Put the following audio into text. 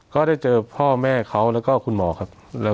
ก็ได้เจอพ่อแม่เขาแล้วก็คุณหมอครับ